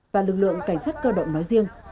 và lực lượng cảnh sát cơ động nói riêng